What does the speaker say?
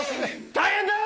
大変だよ！